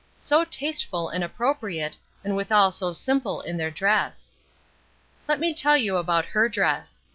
"So tasteful and appropriate, and withal so simple in their dress." Let me tell you about her dress.